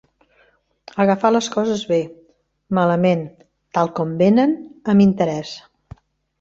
Agafar les coses bé, malament, tal com venen, amb interès.